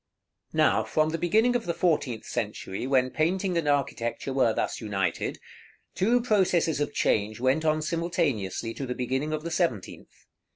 § XXXV. Now, from the beginning of the fourteenth century, when painting and architecture were thus united, two processes of change went on simultaneously to the beginning of the seventeenth.